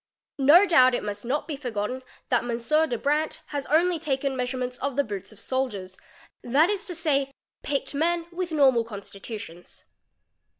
No doubt it must not e forgotten that M. de Brandt has only taken measurements of the Boots of soldiers, that is to say, picked men with normal constitutions.